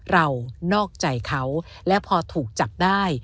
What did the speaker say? นอกใจเขาและพอถูกจับได้